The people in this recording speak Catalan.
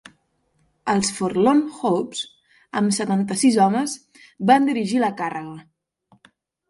Els Forlorn-hopes, amb setanta-sis homes, van dirigir la càrrega.